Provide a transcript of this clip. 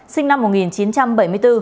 sinh năm một nghìn chín trăm bảy mươi bốn